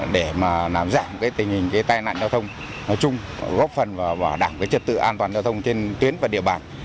để làm giảm tình hình tai nạn giao thông góp phần vào đẳng trật tự an toàn giao thông trên tuyến và địa bàn